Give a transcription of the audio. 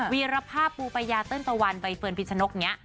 วีรภาพปูปายาเติ้ลตะวันใบเฟิร์นพิชนกเนี่ย